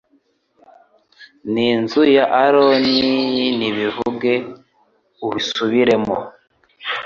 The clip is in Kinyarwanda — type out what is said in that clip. N’inzu ya Aroni nibivuge ibisubiremo